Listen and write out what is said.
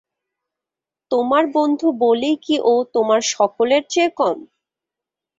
তোমার বন্ধু বলেই কি ও তোমার সকলের চেয়ে কম?